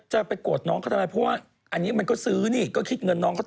จะไปแสชี่นอย่างเครื่อง